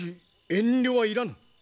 遠慮はいらぬ。